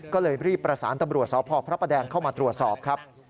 ก็เลยรีบประสานตำรวจสอบพพดเข้ามาตรวจสอบ